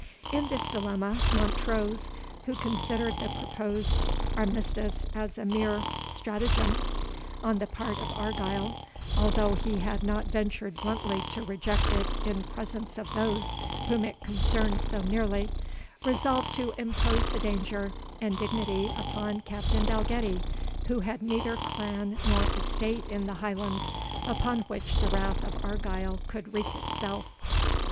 In this dilemma, Montrose, who considered the proposed armistice as a mere stratagem on the part of Argyle, although he had not ventured bluntly to reject it in presence of those whom it concerned so nearly, resolved to impose the danger and dignity upon Captain Dalgetty, who had neither clan nor estate in the Highlands upon which the wrath of Argyle could wreak itself.